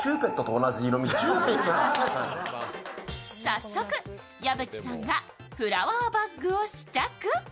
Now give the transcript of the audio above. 早速、矢吹さんがフラワーバッグを試着。